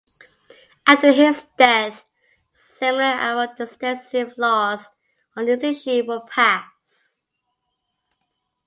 After his death, similar and more extensive laws on this issue were passed.